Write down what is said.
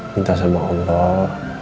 minta sama allah